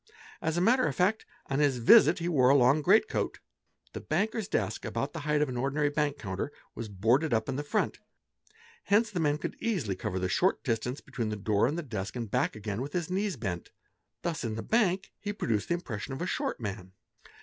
As a matter of fact, on his visit he wore a long great ' coat ; the banker's desk, about the height of an ordinary bank counter, — was boarded up in front, hence the man could easily cover the short distance detween the door and the desk and back again with his knees bent; thus in the bank he produced the impression of a short man.